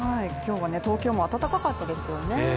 今日は東京も暖かかったですよね。